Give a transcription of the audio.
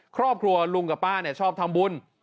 ครอบครัวลุงกับป้าชอบทำบุญ